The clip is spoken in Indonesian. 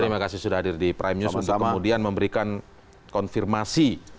terima kasih sudah hadir di prime news untuk kemudian memberikan konfirmasi